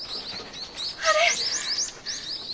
あれ！